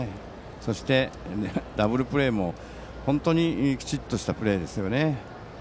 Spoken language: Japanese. そして、ダブルプレーも本当にきちっとしたプレーですね。